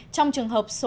trong trường hợp số nghị